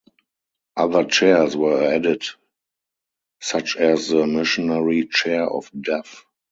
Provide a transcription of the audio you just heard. Other chairs were added such as the Missionary Chair of Duff.